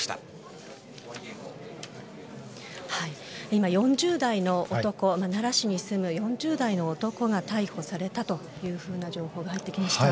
今、奈良市に住む４０代の男が逮捕されたというふうな情報が入ってきました。